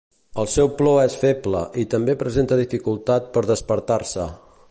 El seu plor és feble, i també presenta dificultat per despertar-se.